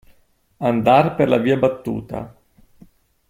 Andar per la via battuta.